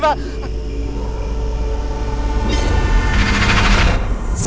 ada apaan sih